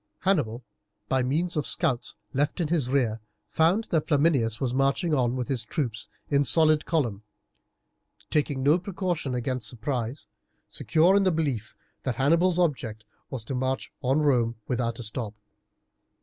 Hannibal, by means of scouts left in his rear, found that Flaminius was marching on with his troops in solid column, taking no precaution against surprise, secure in the belief that Hannibal's object was to march on Rome without a stop.